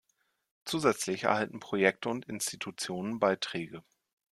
Zusätzlich erhalten Projekte und Institutionen Beiträge.